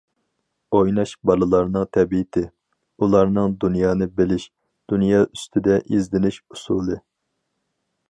ئويناش بالىلارنىڭ تەبىئىتى، ئۇلارنىڭ دۇنيانى بىلىش، دۇنيا ئۈستىدە ئىزدىنىش ئۇسۇلى.